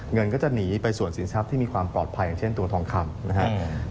เงินก็จะหนีไปส่วนสินทรัพย์ที่มีความปลอดภัยอย่างเช่นตัวทองคำนะครับ